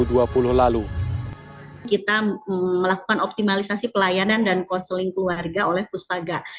kita melakukan optimalisasi pelayanan dan konseling keluarga oleh puspaga